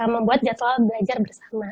membuat jadwal belajar bersama